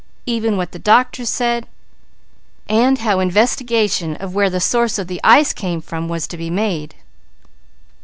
Even what the doctors said, and how investigation of the source of the ice came from was to be made.